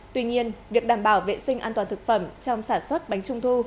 tuy nhiên việc đảm bảo vệ sinh an toàn thực phẩm trong sản xuất bánh trung thu